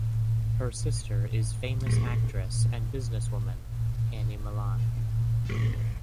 Her sister is famous actress and business woman, Annie Malan.